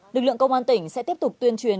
lực lượng công an tỉnh sẽ tiếp tục tuyên truyền